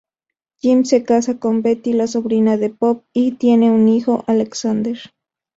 Jim se casa con Betty, la sobrina de Pop, y tienen un hijo, Alexander.